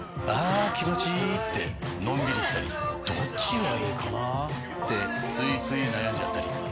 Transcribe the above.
あ気持ちいいってのんびりしたりどっちがいいかなってついつい悩んじゃったり。